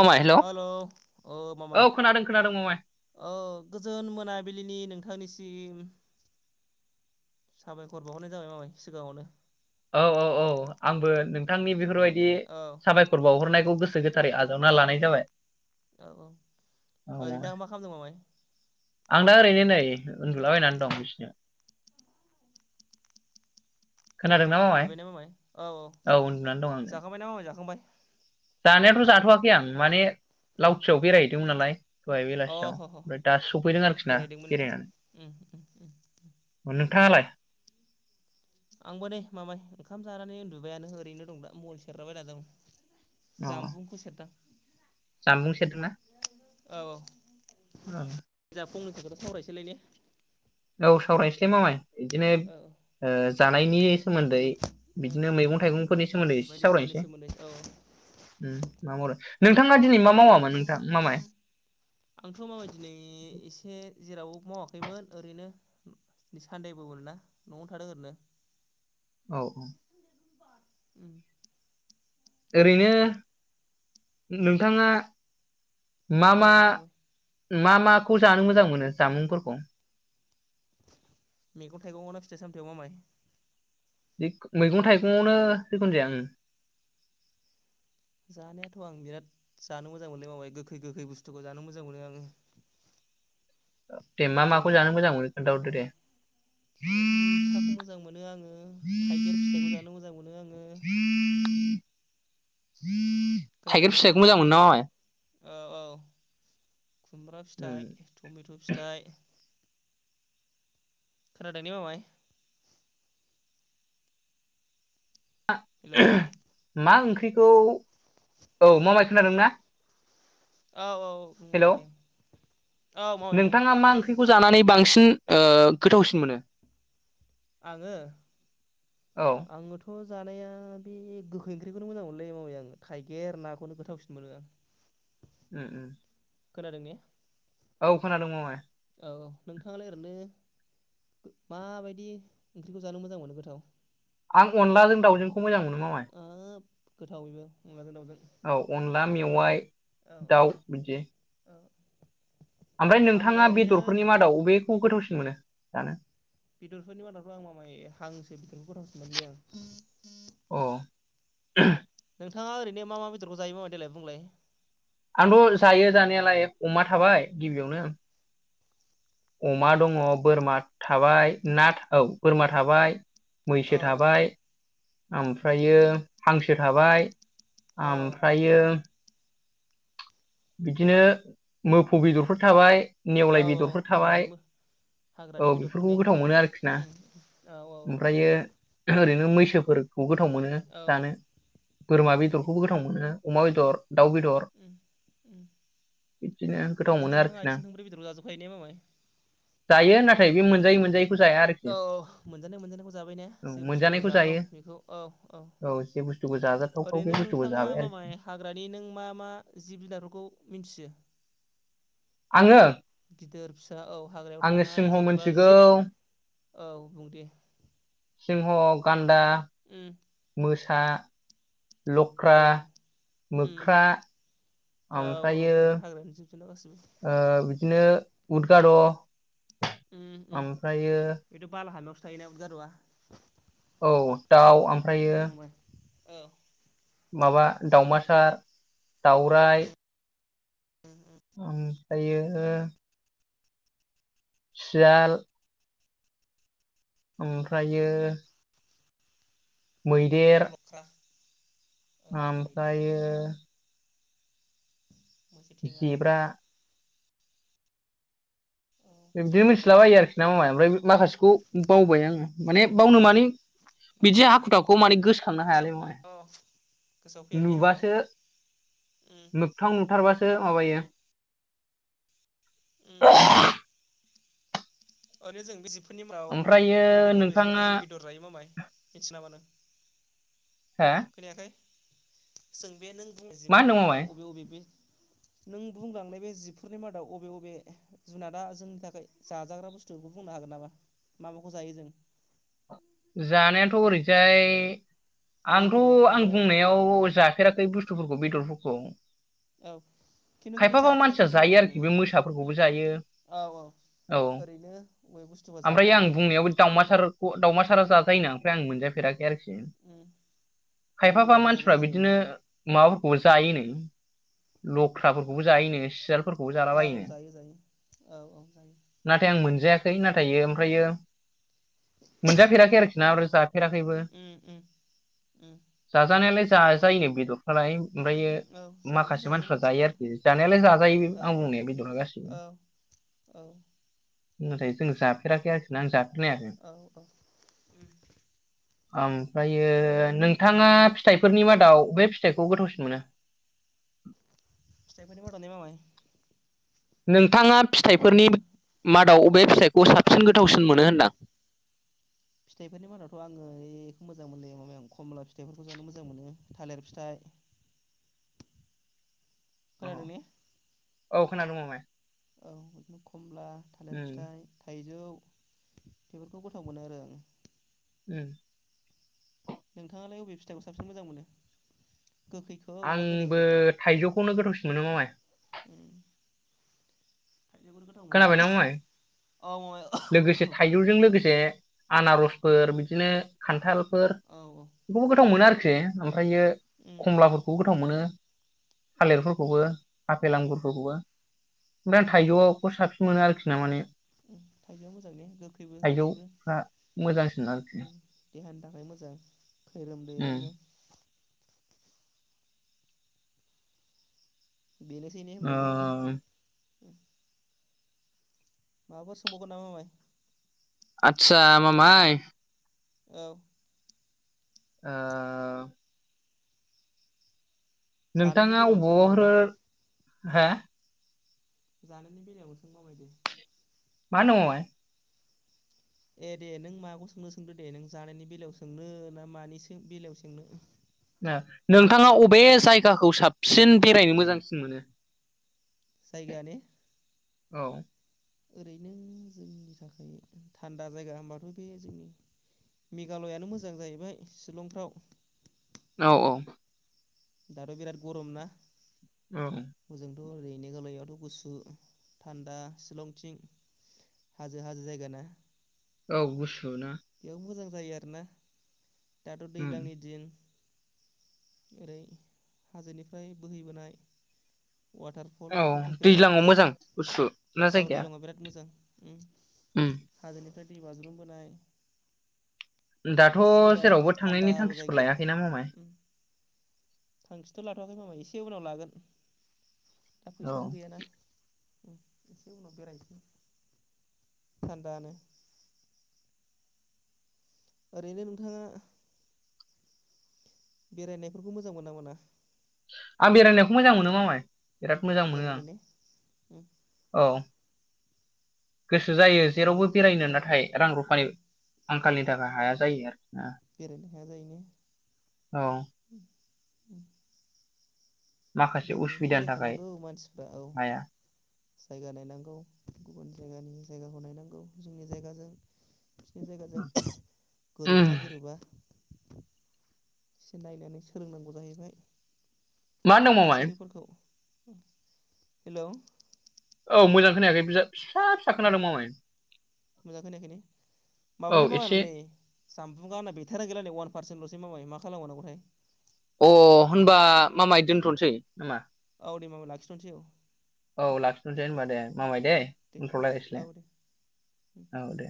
मामाय हेलौ औ खोनादों खोनादों मामाय औ गोजोन मोनाबिलिनि नोंथांनिसिम सिम साबायखर बावहरनाय जाबाय माबाय सिगाङावनो औ औ औ आंबो नोंथांनि बेफोरबायदि औ साबायखर बावहरनायखौ गोसो गोथारै औ आजावना लानाय जाबाय औ औ औ ओरैनो मामाय दा मा खालामदों माबाय आं दा ओरैनो नै उन्दुलाबायनानै दं बिसिनायाव [inaudible] उन्दुबाय ना मामाय औ औ उन्दुनानै दं आं नै जाखांबाय ना मामाय जाखांबाय जानायाथ' जाथ'वाखै आं माने उम लावथियाव बेरायहैदोंमोन नालाय दहाय अ बेलासियाव ह ह ओमफ्राय दा सफैदों आरोखि ना बेरायदोंमोन ने उम उम उम बेरायनानै नोंथाङालाय आंबो दे मामाय ओंखाम जानानै उन्दुबायानो ओरैनो दं दा मबेल सेरगलाबायना दं अ जानबुंखौ सेरदां जानबुं सेरदोंना औ औ जा सावरायसैलाय ने औ सावरायनोसलै मामाय बिदिनो औ ओ जानायनि सोमोन्दै उम ओ बिदिनो औ मैगं औ थाइगंफोरनि सोमोन्दै जायखिजाया एसे बायदिसिनानि सावरायनोसै सोमोन्दै औ उम मामाय मा उम मावामोन नोंथां मामाय आंथ माबायदि नै एसे जेरावबो मावाखैमोन ओरैनो सान्दे बो मोनना नआवनो थादों ओरैनो औ औ उम ओरैनो नोंथांङा मा औ मा मामाय मा माखौ जानो मोजां मोनो जामुंफोरखौ मैगं थाइगंना फिथाइ सामथायाइाव मामाय बे मैगं थाइगं आवनो जिखुनु जाया ओम जानायाथ आं बिराद जानो मोजां मोनो माबाय गोखै गोखै बुस्थुखौ जानो मोजां मोनो आंङो दे मा ने माखौ जानो मोजां मोनो औ खोन्थाहरदो दे बिदिनो मैथाखौ मोजां मोनो आंङो थाइगिर फिथाइखौ जानो मोजां मोनो आंङो [inaudible] खोनादों थाइगिर ने फिथाइखौ मोजां मोनोना मामाय औ औ खुमब्रा फिथाइ मामाय टमेट फिथाइ खोनादोंने मामाय हेलौ मा ओंख्रिखौ औ माबाय खोनादोंना औ औ बुं हेलौ माबायदि औ माबाय बुं नोंथांङा मा ओंख्रिखौ जानानै बांसिन गोथावसिन मोनो आङो औ आङोथ जानाया बे गोखै ओंख्रिखौनो मोजां मोनलै मावै आंङो थाइगिर नाखौनो गोथावसिन मोनो आं उम उम खोनादों ने औ खोनादों मामाय औ नोंथांङालाय ओरैनो माबायदि ओंख्रिखौ जानो मोजां मोनो गोथाव आं अनलाजों दाावजोंखौ मोजां मोनो मामाय हाब गोथाव बेबो अनलाजों दाउजों औ अनला मेवाइ औ औ दाउ बिदि औ ओमफ्राय मामाया नोंथांङा ओरैनो बेदरफोरनि मादाव बबेेखौ गोथावसिन मोनो जानो बेदरफोरनि मादावथ आं मामाय हांसो बेदरखौ गथाव सननानैलै आं अ नोंथाङा ओरैनो मा मा बेदरखौ जायो मामाय देलाय बुंलाय आंथ जायो जानायालाय अमा थाबाय गिबियावनो अमा दंङ बोरमा थाबाय ना औ बोरमा थाबाय औ मैसो थाबाय ओमफ्रायो हांसो थाबाय औ ओमफ्रायो बिदिनो मोफौ बेदरफोर थाबाय औ नेवलाय औ बेदरफोर हाग्रानि थाबाय मो हाग्रानि औ बेफोरखौ बेदरफोरनि गोथाव मोनो आरोखि ना औ औ ओमफ्रायो ओरैनो मैसोफोरखौ गोथाव मोनो औ जानो। गोथाव बोरमा मोनो ने बेदरखौबो गोथाव मोनो औ अमा बेदर दाउ बेदर। उम उम बिदिनो गोथाव ओरैनो मोनो नोंथाङा आरोखि ना आथिं थोंब्रै बेदरखौ जाजोबखायो ने मामाय? जायो ना औ औ मोनजानाय मोनजानायखौ जाबाय ने औ जे बुस्थुखौ मोनजानायखौ जाथाव जायो बेखौ औ औ जे बुस्थुखौ जाजाथावथाव बे ओरैनो बुस्थुखौ नोंथांङा जाबाय आरोखि माबाय हाग्रानि नों मा मा जिब जुनार खौ मिथियो? आङो जा औ हाग्रायाव आङो थानाय सिंह जेनेबा मोनथिगौ जिब औ बुं दे सिंह गान्दा उम [unintelligible] लख्रा औ उम मोख्रा औ औ ओमफ्रायो बेफोर हाग्रानि जिब जुनार गासिबो ओ बिदिनो उदगाद' उम उम ओमफ्रायो बेथ' बाला हामायावसो थायनोना उद गाद'आ औ दाउ ओमफ्रायो ओ माबा दावमासार, दाउराइ [inaudible] ओमफ्रायो सियाल ओमफ्रायो मैदेर, उम लख्रा औ मैदेर, आमफ्रायो मैसो थेङा जेब्रा, औ बिदिनो मिथिलाबायो आरोखि ना माबा ओमफ्राय माखासेखौ बावबाय आङो माने मोनथिलाबायो ने बावनो औ माने बिदि माखासेखौ ने हाखु दाखु माने गोसोखांनो हायालै माने गोसोआव औ गोसोआव फैयाने मामाय नुबासो उम मोगथां नुथारबासो माबायो उम-उम ओरैनो जों बिजि बेफोरनि उनाव ओमफ्रायो बबे बबे नोंथाङा जुनारखौ जों बेदर जायो मामाय मिथियो नामा नों? हो खोनायाखै जों बे नों बुंनाय मा होनदों जिबफोरनि मादाव मामाय बबे बबे बे नों बुंलांनाय बे जिबफोरनि मादाव बबे बबे जुनादा जोंनि थाखाय जाजाग्रा बुस्थु खौ बुंनो हागोन नामा मा माखौ जायो जों? जानायाथ' ओरैजाय मै आंथ' बेदर आं थाबाय बुंनायाव जाफेराखै बुस्थुफोरखौ बेदरफोरखौ औ खिन्थु खिन्थु खायफाबा मानसिया जाजानायखौल' जायो बुंमारबाय आरोखि नोङो बे मोसाफोरखौबो जायो। औ औ औ ओरैनो अबे बुस्थुआ ओमफ्राय आं जाथावना बुंनायावबो दावमासार दावमासारा जाजायोनो ओमफ्राय आं मोनजफेराखै आरोखि। उम मै खायफाफा बेदरा मानसिफ्रा जाजायो ओरैनो बिदिनो माबाफोरखौबो जायोनो लख्राफोरखौबो जायोनो सियाल फोरखौबो औ जालाबायोनो जायो जायो औ औ जायो नाथाय आं मोनजायाखै। नाथायो आमफ्रायो मोनजाफेराखै आरोखि ना। जाफेराखैबो उम उम उम जाजानायालाय जाजायो बेदरफ्रालाय। ओमफ्रायो औ जानो माखासे मानसिफ्रा जायो औ आरोखि जानायालाय जाजायो आं औ बुंनाय बेदरा गासैबो। औ औ नाथाय जों जाफेराखै आरोखिना आं जा औ औ ओमफ्रायो नोंथाङा फिथाइफोरनि मादाव अबे फिथाइखौ गोथावसिन मोनो? औ फिथाइफोरनि मादावने मामाय नोंथाङा फिथाइफोरनि मादाव अबे फिथाइ साबसिन गोथावसिन मोनो होनदां फिथाइफोरनि मादावथ' आङो बेखौ मोजां मोनो माबाया आं खमला फिथाइफोरखौ जानो मोजां मोनो थालिर फिथाइ [unintelligible] औ खोनादों ने औ खोनादों मामाय औ बिदिनो खमला, थालिर उम फिथाइ, थाइजौ बेफोरखौ गोथाव मोनो आरो आं उम नोंथाङालाय अबे फिथाइखौ साबसिन मोजां मोनो गोखैखौ ना आंबो गोदैखौ थाइजौखौनो गोथावसिन मोनो मामाय उम थाइजौखौनो गोथाव मोनो ने खोनाबायना मामाय औ मामाय औ लोगोसे थाइजौजों लोगोसे आनारसफोर बिदिनो खान्थाल फोर औ बेखौबो गोथाव उम मोनो आरोखि ओमफ्रायो उम उम खमलाफोरखौबो गोथाव मोनो उम थालिरफोरखौबो आपेल आांगुरफोरखौबो ओमफ्राय उम थाइजौखौ साबसिन मोनो आरोखि ना माने उम थाइजौआ मोजां ने गोखैबो गोदैबो थाइजौफ्रा मोजांसिन आरोखि देहानि थाखाय मोजां खैरोम दैैरोमनो उम बेनोसैने होमबा ओ मामाय माबाफोर सोंबावगोन नामा मामाय आतसा मामाय औ ओ जानायनि नोंथाङा बेलायावनो अबाव सोंदे मामाय होरो हो जानायनि बेलायाव सों माबायदि मानङवाय ए दे नों माखौ सोंनो सोंदो दे नों जानायनि बेलायाव सोंनो ना मानि सो बेलायाव सोंनो दे नोंथाङा अबे जायगाखौ साबसिन बेरायनो मोजांसिन मोनो जायगाया ने औ ओरैनो जोंनि थाखाय थान्दा जायगा होनबाथ' बे जोंनि मेघालयानो मोजां जाहैबाय शिलंफ्राव औ - औ दाथ' बिराद गरम ना औ थ' ओरैनो मेघालयावथ' गुसु थान्दा सिलंथिं हाजो हाजो जायगा ना औ ना बेयाव मोजां जायो आरोना दाथ' दैज्लांनि औ दिन ओरै हाजोनिफ्राय बोहैबोनाय वाटारफल बेफोरखौ बिराद दैज्लाङाव मोजां गुसु ना आव जायगाया दैलाङाव बिराद मोजां उम उम हाजोनिफ्राय दै बाजरुम बोनाय दाथ' आरोना जेरावबो थांनायनि थान्दाबो थांखिखौ जायगाया लायाखै ना ममाय उम थांखिथ' लाथ'आाखै मामाय एसे उनाव लागोन दा औ फैसाबो गैयाना एसे उनाव बेरायनोसै थान्दानो ओरैनो नोंथाङा बेरायनायफोरखौ मोजां मोनो ना मोना आं बेरायनायखौ मोजां मोनो मामाय बिराद मोजां मोनो आं उम औ गोसो जायो ओरैनो जेरावबो नों बेरायनो औ नाथाय रां उम रुफानि आंखालनि थाखाय हाया जायो आरो बेरायनो हाया जायो ने औ माखासे बेरायनायाथ' उसुबिदानि थाखाय बेरायखानांगौ मानसिफ्रा औ हाया जायगा नायनांगौ गुबुन जायगानि जायगाखौ नायनांगौ जोंनि जायगाजों। बिसिरनि जायगाजों उम गोरोबोना गोरोबा एसे नायनानै सोलोंनांगौ जाहैबाय मा होनदों मामाय थासारिफोरखौ हेलौ औ मोजां खोनायाखै बिजा फिसा फिसा अ खोनादों मामाय मोजां खोनायाखै ने औ माबालै माबा एसे नै सामफ्रु गावना बेथारी गैला नै अवान पारसेन्टल'सै माबाय मा खालामबावनांगौ थाय ओ होनबा मामाय दोनथ'नोसै नामा? ओ दे मामा लाखिथनसै ओ औ लाखिथ'दे होनबा दे मामाय दे बुंथ'लायसैलाय औ दे उम औ दे।